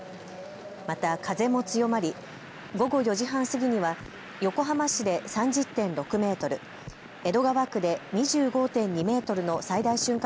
また風も強まり午後４時半過ぎには横浜市で３０．６メートル、江戸川区で２５．２メートルの最大瞬間